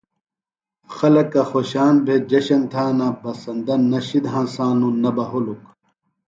خلکہ خوشان بھےۡ جشن تھانہ۔ بسندہ نہ شِد ہنسانوۡ نہ بہ ہُلک۔